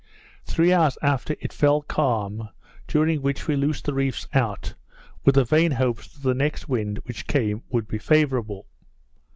Three hours after, it fell calm, during which we loosed the reefs out, with the vain hopes that the next wind which came would be favourable.